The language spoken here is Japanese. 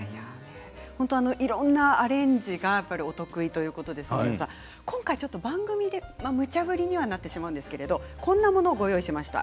いろんなアレンジがお得意ということなんですが今回、番組でむちゃ振りにはなってしまうんですけれどこんなものをご用意しました。